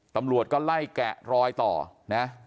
ตำรวจก็ไล่แกะรอยต่อนะ